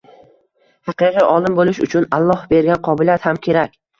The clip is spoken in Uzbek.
Haqiqiy olim bo‘lish uchun Alloh bergan qobiliyat ham kerak.